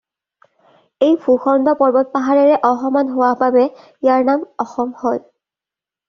এই ভূখণ্ড পৰ্বত-পাহাৰেৰে অসমান হোৱা বাবে ইয়াৰ নাম অসম হ'ল।